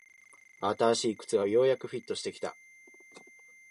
新しい靴がようやくフィットしてきた